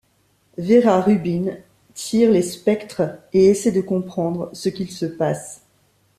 Vera Rubin tire les spectres et essaie de comprendre ce qu'il se passe.